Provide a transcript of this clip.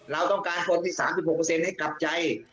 เราต้องการคนที่๓๖ให้กลับใจ